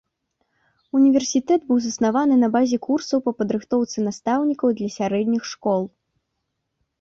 Універсітэт быў заснаваны на базе курсаў па падрыхтоўцы настаўнікаў для сярэдніх школ.